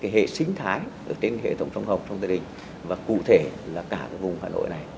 hệ sinh thái trên hệ thống sông hồng sông tây bình và cụ thể là cả vùng hà nội này